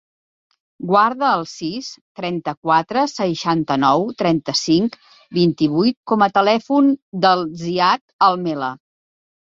Guarda el sis, trenta-quatre, seixanta-nou, trenta-cinc, vint-i-vuit com a telèfon del Ziad Almela.